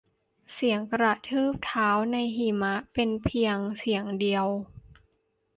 เสียงกระทืบเท้าในหิมะเป็นเป็นเพียงเสียงเดียว